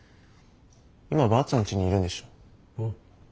今ばあちゃんちにいるんでしょ。